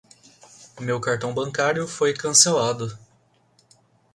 Meu cartão bancário foi cancelado.